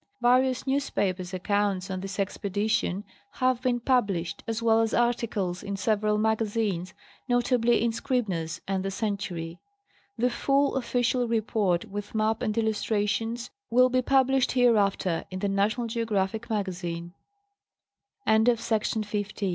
Various newspaper accounts of this expedition have been pub lished, as well as articles in several magazines, notably in Serib ner's, and the Century. The full official report with map and illustrations will be published hereafter in the National Geo graphic Magazine. ~— By Laws. 305 BY LAWS. AS ADO